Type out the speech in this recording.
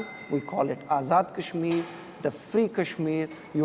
kita menyebutnya azad kashmir kashmir yang bebas